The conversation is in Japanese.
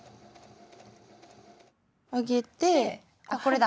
上げてあっこれだ。